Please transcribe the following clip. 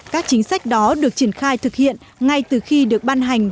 các chính sách đó được triển khai thực hiện ngay từ khi được ban hành